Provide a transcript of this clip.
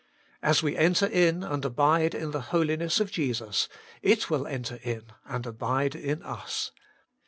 As we enter in and abide in the holiness of Jesus, it will enter in and abide in us.